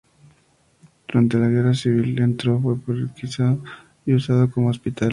Durante la Guerra Civil el centro fue requisado y usado como hospital.